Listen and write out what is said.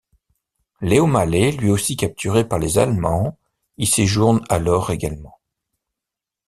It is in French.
Léo Malet, lui aussi capturé par les Allemands, y séjourne alors également.